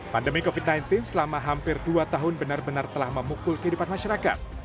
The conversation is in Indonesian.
pandemi covid sembilan belas selama hampir dua tahun benar benar telah memukul kehidupan masyarakat